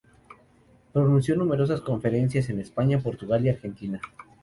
Pronunció numerosas conferencias en España, Portugal y Argentina.